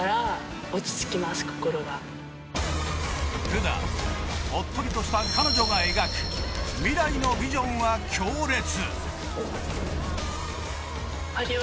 普段はおっとりとした彼女が描く未来のビジョンは強烈。